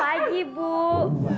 katau diri bener bener lu